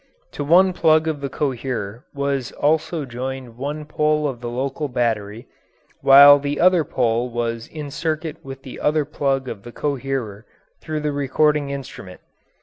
To one plug of the coherer also was joined one pole of the local battery, while the other pole was in circuit with the other plug of the coherer through the recording instrument.